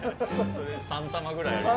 それ３玉ぐらいあります。